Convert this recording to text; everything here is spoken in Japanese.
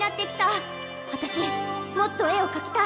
あたしもっと絵を描きたい！